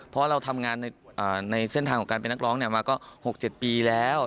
เพราะเราทำงานในเส้นทางของการเป็นนักร้องมาก็๖๗ปีแล้ว